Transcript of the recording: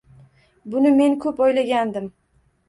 Buni men ko‘p o‘ylangandim.